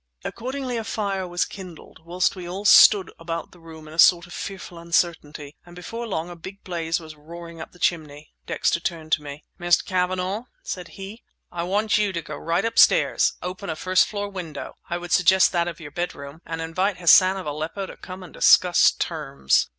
Accordingly a fire was kindled, whilst we all stood about the room in a sort of fearful uncertainty; and before long a big blaze was roaring up the chimney. Dexter turned to me. "Mr. Cavanagh," said he, "I want you to go right upstairs, open a first floor window—I would suggest that of your bedroom—and invite Hassan of Aleppo to come and discuss terms!"